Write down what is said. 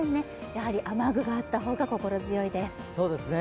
やはり雨具があった方が心強いですね。